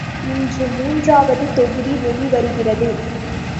இன்று மூன்றாவது தொகுதி வெளிவருகிறது.